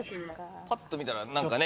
ぱっと見たら何かね